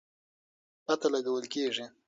پته لګول کېږي.